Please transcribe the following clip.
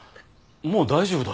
もう大丈夫だ。